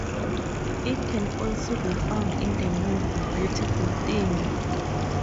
It can also be found in the movie "Beautiful Thing".